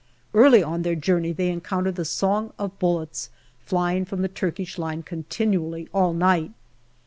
Early on their journey they encounter the song of bullets flying from the Turkish line continually all night.